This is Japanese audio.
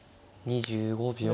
２５秒。